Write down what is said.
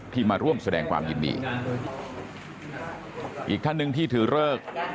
มาร่วมแสดงความยินดีอีกท่านหนึ่งที่ถือเลิก